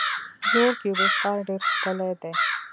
زوړ کیوبیک ښار ډیر ښکلی دی.